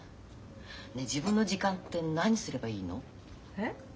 ねえ自分の時間って何すればいいの？え？